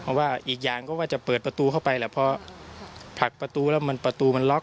เพราะว่าอีกอย่างก็ว่าจะเปิดประตูเข้าไปแหละพอผลักประตูแล้วมันประตูมันล็อก